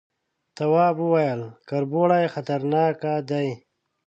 تواب وويل، کربوړي خطرناکه دي.